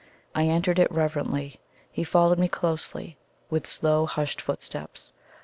I entered it reverently, he following me closely, with slow hushed footsteps.